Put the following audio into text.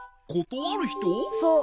そう。